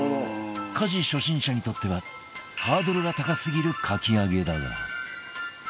家事初心者にとってはハードルが高すぎるかき揚げだが